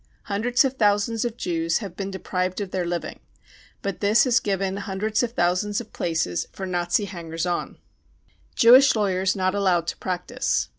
Hundreds of thousands of Jews have been deprived of their living ; but this has givep hundreds of thousands of places for Nazi hange#s on. THE PERSECUTION OF JEWS 265 Jewish Lawyers not Allowed to Practise.